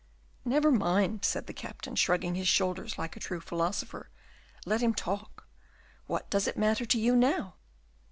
"Never mind," said the Captain, shrugging his shoulders like a true philosopher, "let him talk; what does it matter to you now?"